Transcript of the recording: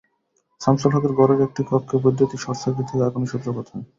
শামছুল হকের ঘরের একটি কক্ষে বৈদ্যুতিক শর্টসার্কিট থেকে আগুনের সূত্রপাত হয়।